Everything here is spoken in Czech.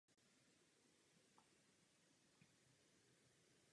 Hitler ji měl velmi rád a její smrt těžce nesl.